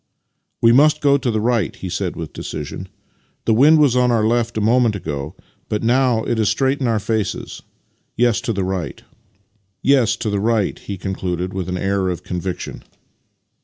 " We must go to the right," he said with decision. " The wind was on our left a moment ago, but now it is straight in our faces. Yes, to the right," he concluded with an air of conviction.